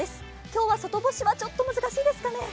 今日は外干しは難しいですかね。